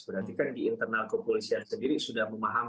berarti kan di internal kepolisian sendiri sudah memahami